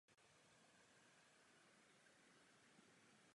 Okrajové části katastru obce jsou využívány k rekreaci.